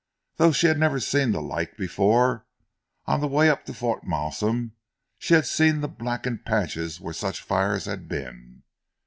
Though she had never seen the like before, on the way up to Fort Malsun, she had seen the blackened patches where such fires had been.